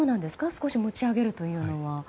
少し持ち上げるというのは。